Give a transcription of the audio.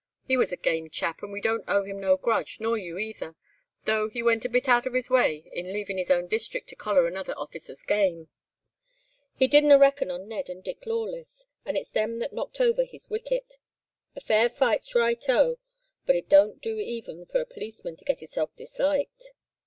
He was a game chap, and we don't owe him no grudge, nor you either, though he went a bit out of his way in leavin' his own district to collar another officer's game. He didn't reckon on Ned and Dick Lawless, and it's them that knocked over his wicket. A fair fight's righto, but it don't do even for a policeman to get hisself disliked.